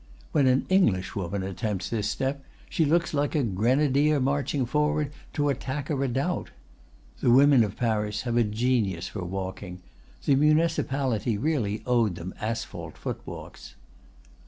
When an Englishwoman attempts this step, she looks like a grenadier marching forward to attack a redoubt. The women of Paris have a genius for walking. The municipality really owed them asphalt footwalks.